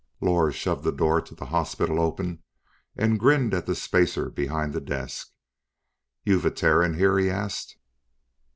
Lors shoved the door to the hospital open and grinned at the spacer behind the desk. "You've a Terran here?" He asked.